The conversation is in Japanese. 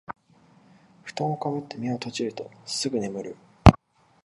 ふとんをかぶって目を閉じるとすぐ眠る